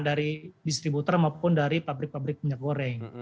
dari distributor maupun dari pabrik pabrik minyak goreng